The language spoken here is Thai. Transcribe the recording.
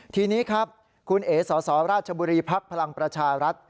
ทีนี้ครับคุณเอ๋สรบพลังประชารัฐ